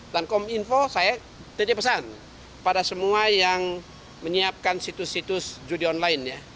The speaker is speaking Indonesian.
dan kom info saya terima pesan pada semua yang menyiapkan situs situs judi online